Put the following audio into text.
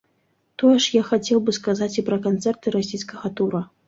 Тое ж я хацеў бы сказаць і пра канцэрты расійскага тура.